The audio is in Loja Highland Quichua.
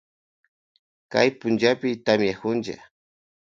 Kay punllapi tamiakunlla.